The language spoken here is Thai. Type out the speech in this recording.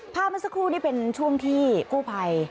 เมื่อสักครู่นี่เป็นช่วงที่กู้ภัย